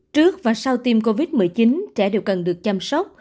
trước và sau tiêm covid một mươi chín trẻ đều cần được chăm sóc